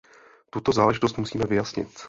Tuto záležitost musíme vyjasnit.